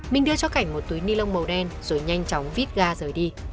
minh đưa cho cảnh một túi ni lông màu đen rồi nhanh chóng vít ga rời đi